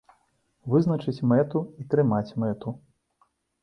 Вызначыць мэту і трымаць мэту.